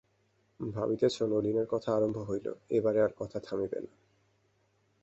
ভাবিতেছ, নলিনের কথা আরম্ভ হইল, এবারে আর কথা থামিবে না।